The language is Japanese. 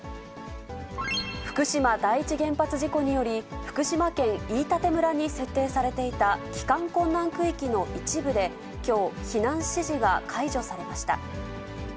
福島第一原発事故により、福島県飯舘村に設定されていた、帰還困難区域の一部で、きょう、避難指示が解除されました。